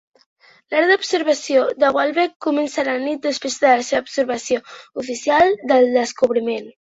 L'arc d'observació de "Walbeck" comença la nit després de la seva observació oficial del descobriment.